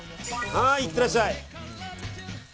はーい、いってらっしゃい！